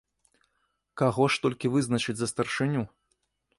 Каго ж толькі вызначыць за старшыню?